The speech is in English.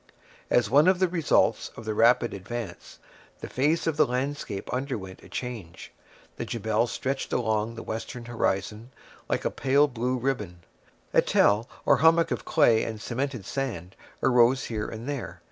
As one of the results of the rapid advance, the face of the landscape underwent a change. The Jebel stretched along the western horizon, like a pale blue ribbon. A tell, or hummock of clay and cemented sand, arose here and there.